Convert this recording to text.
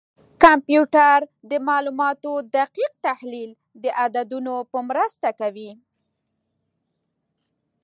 کمپیوټر د معلوماتو دقیق تحلیل د عددونو په مرسته کوي.